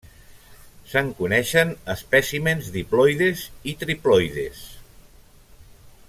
Se'n coneixen espècimens diploides i triploides.